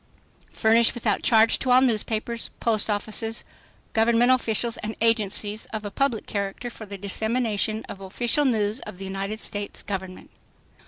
"Furnished without charge to all newspapers, post offices, government officials and agencies of a public character for the dissemination of official news of the United States Government."